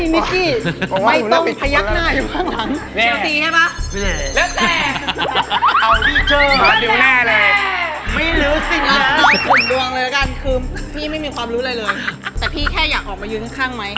ไม่ต้องพยักหน้าอยู่ข้างหลัง